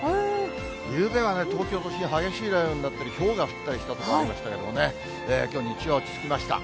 ゆうべはね、東京都心、激しい雷雨になったり、ひょうが降ったりした所ありましたけれども、きょう日中は落ち着きました。